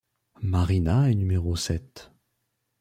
Marina est Numéro Sept.